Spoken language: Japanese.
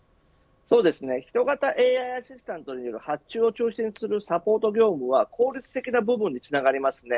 人型ＡＩアシスタントによる発注を調整するサポート業務は効率的な部分につながりますね。